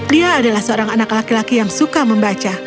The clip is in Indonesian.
dia adalah seorang anak laki laki yang suka membaca